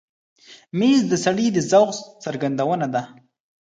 مېز د سړي د ذوق څرګندونه ده.